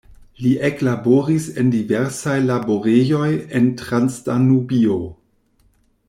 Li eklaboris en diversaj laborejoj en Transdanubio.